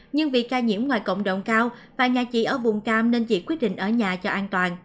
nhưng vì ca nhiễm ngoài cộng đồng cao và nhà chị ở vùng cam nên chỉ quyết định ở nhà cho an toàn